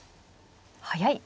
速い。